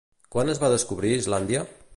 Quan es va descobrir Islàndia?